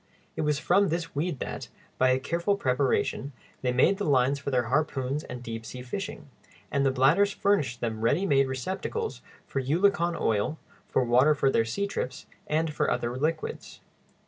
It was from this weed that, by a careful preparation, they made the lines for their harpoons and deep sea fishing; and the bladders furnished them ready made receptacles for eulachon oil, for water for their seatrips, and for other liquids.